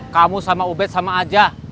kamu sama ubed sama aja